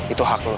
itu hak lo